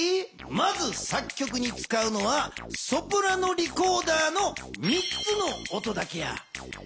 まず作曲に使うのはソプラノリコーダーの３つの音だけや。